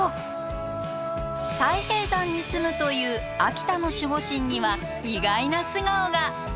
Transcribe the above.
太平山に棲むという秋田の守護神には意外な素顔が。